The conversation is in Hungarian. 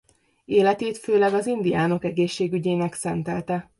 Életét főleg az indiánok egészségügyének szentelte.